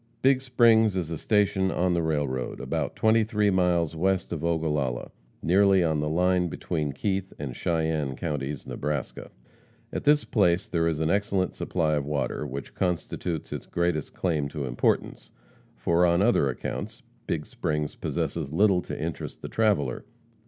Big Springs is a station on the railroad, about twenty three miles west of Ogallala, nearly on the line between Keith and Cheyenne counties, Nebraska. At this place there is an excellent supply of water, which constitutes its greatest claim to importance, for on other accounts Big Springs possesses little to interest the traveller.